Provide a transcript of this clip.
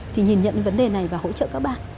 thì nhìn nhận vấn đề này và hỗ trợ các bạn